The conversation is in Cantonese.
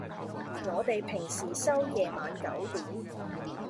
我哋平時收夜晚九點